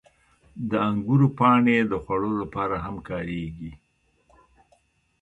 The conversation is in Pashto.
• د انګورو پاڼې د خوړو لپاره هم کارېږي.